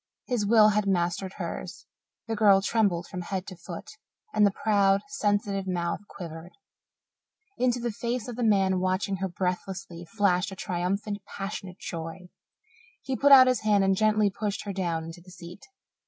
His will had mastered hers; the girl trembled from head to foot, and the proud, sensitive, mouth quivered. Into the face of the man watching her breathlessly flashed a triumphant, passionate joy. He put out his hand and gently pushed her down into the seat.